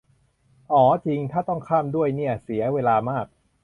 อ่อจริง ถ้าต้องข้าม ด้วยเนี่ย เสียเวลามาก